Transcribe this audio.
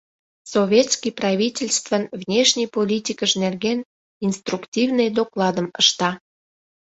«Советский правительствын внешний политикыж нерген» инструктивный докладым ышта.